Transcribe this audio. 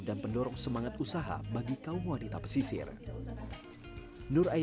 dan pendorong semangat usaha bagi kaum wanita pesisir